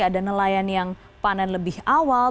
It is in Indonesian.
ada nelayan yang panen lebih awal